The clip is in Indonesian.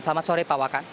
selamat sore pak wakan